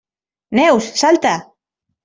Neus, salta!